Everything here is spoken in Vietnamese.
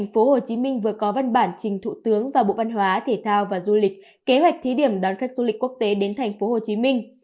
tp hcm vừa có văn bản trình thủ tướng và bộ văn hóa thể thao và du lịch kế hoạch thí điểm đón khách du lịch quốc tế đến tp hcm